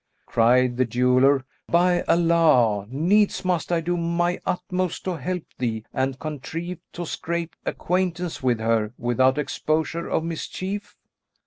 Cried the jeweller "By Allah, needs must I do my utmost to help thee and contrive to scrape acquaintance with her without exposure or mischief!"